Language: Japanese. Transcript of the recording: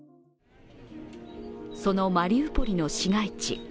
そのマリウポリの市街地。